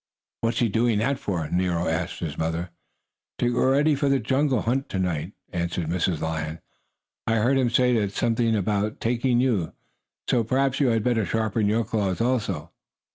"What's he doing that for?" Nero asked his mother. "To get ready for the jungle hunt to night," answered Mrs. Lion. "I heard him say something about taking you, so perhaps you had better sharpen your claws, also."